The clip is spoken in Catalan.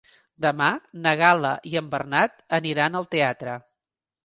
Demà na Gal·la i en Bernat aniran al teatre.